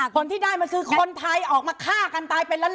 ผลที่ได้มันคือคนไทยออกมาฆ่ากันตายเป็นล้าน